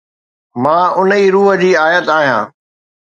مان ان ئي روح جي اُپت آهيان